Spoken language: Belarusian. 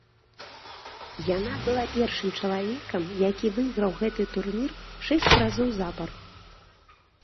Яна была першым чалавекам, які выйграў гэты турнір шэсць разоў запар.